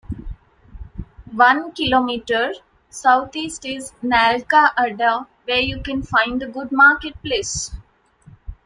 One kilometer south east is Nalka Adda where you can find a good marketplace.